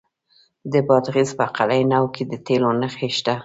د بادغیس په قلعه نو کې د تیلو نښې شته.